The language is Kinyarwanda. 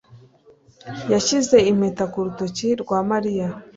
yashyize impeta ku rutoki rwa mariya